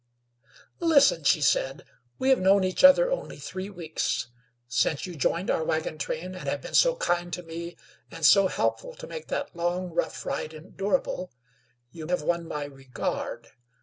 "Listen," she said. "We have known each other only three weeks. Since you joined our wagon train, and have been so kind to me and so helpful to make that long, rough ride endurable, you have won my regard.